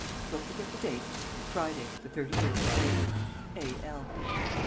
Don't forget the date: Friday, the 31st of May. "A. L."